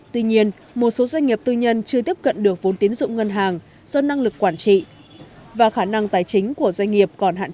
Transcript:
tuy nhiên một số doanh nghiệp tư nhân chưa tiếp cận được vốn tiến dụng ngân hàng do năng lực quản trị và khả năng tài chính của doanh nghiệp còn hạn chế